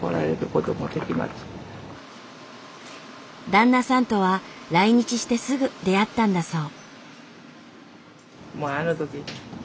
旦那さんとは来日してすぐ出会ったんだそう。